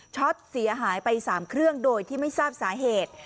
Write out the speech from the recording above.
เสียหายไป๓เครื่องโดยที่ไม่ทราบสาเหตุ